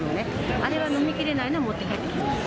あれは飲みきれないのは持って帰ってきます。